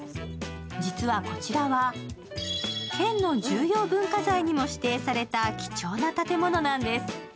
実は、こちらは県の重要文化財にも指定された貴重な建物なんです。